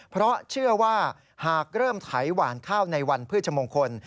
เพราะเชื่อว่าหากเริ่มไถหวานข้าวในวันพฤชมงคล